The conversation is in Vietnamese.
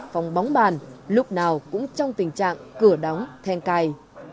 phòng bóng bàn lúc nào cũng trong tình trạng cửa đóng then cài